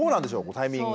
タイミング。